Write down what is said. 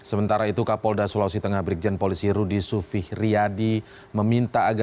sementara itu kapolda sulawesi tengah brikjan polisi rudi sufih riyadi